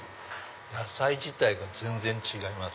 野菜自体が全然違います。